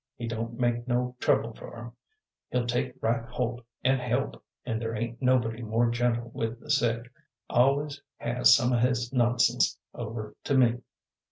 He don't make no trouble for 'em; he'll take right holt an' help, and there ain't nobody more gentle with the sick. Always has some o' his nonsense over to me."